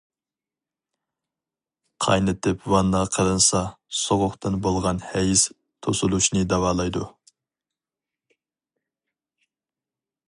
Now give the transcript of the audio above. قاينىتىپ ۋاننا قىلىنسا سوغۇقتىن بولغان ھەيز توسۇلۇشنى داۋالايدۇ.